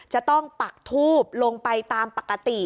จะต้องปักทูบลงไปตามปกติ